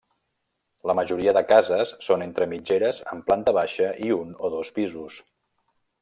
La majoria de cases són entre mitgeres amb planta baixa i un o dos pisos.